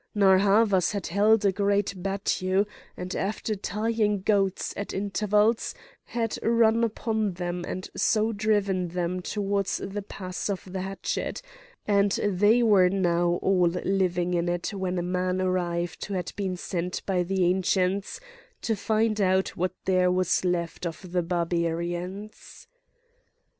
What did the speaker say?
Narr' Havas had held a great battue, and—after tying goats at intervals—had run upon them and so driven them towards the Pass of the Hatchet;—and they were now all living in it when a man arrived who had been sent by the Ancients to find out what there was left of the Barbarians.